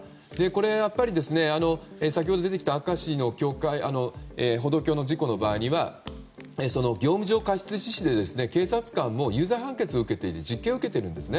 これは先ほど出てきた明石の歩道橋の事故の場合には業務上過失致死で警察官も有罪判決実刑を受けているんです。